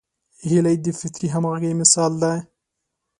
هیلۍ د فطري همغږۍ مثال ده